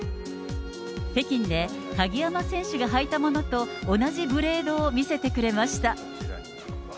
北京で鍵山選手が履いたものと同じブレードを見せてくれました。